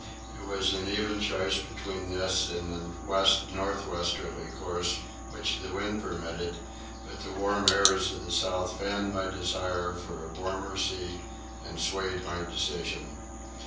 It was an even choice between this and the west north westerly course which the wind permitted; but the warm airs of the south fanned my desire for a warmer sea and swayed my decision.